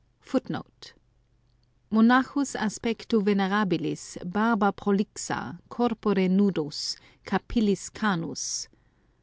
The 1 "Monachus aspectu venerabilis, barba prolixa, corpore nudus, capillis canus."